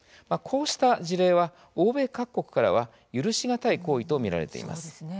こうした事例は欧米各国からは許しがたい行為と見られています。